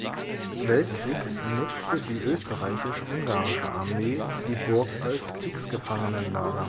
Weltkrieg nutzte die österreichisch-ungarische Armee die Burg als Kriegsgefangenenlager.